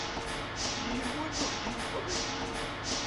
Yiwen ur t-yebɣi.